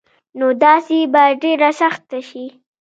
نو داسي به ډيره سخته شي